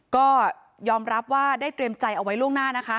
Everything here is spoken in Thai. ก็ยอมรับว่าได้เตรียมใจเอาไว้ล่วงหน้านะคะ